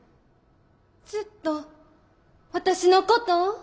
ずっと私のことを？